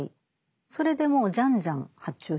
それでもうじゃんじゃん発注してたという。